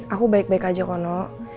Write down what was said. aku baik baik aja kono